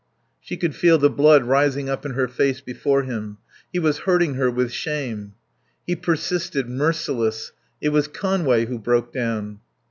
She could feel the blood rising up in her face before him. He was hurting her with shame. He persisted, merciless. "It was Conway who broke down."